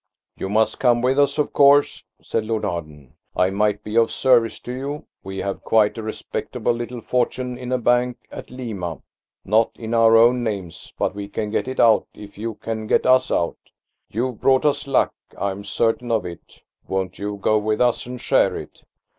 "You must come with us, of course," said Lord Arden. "I might be of service to you. We have quite a respectable little fortune in a bank at Lima–not in our own names–but we can get it out, if you can get us out. You've brought us luck, I'm certain of it. Won't you go with us, and share it?"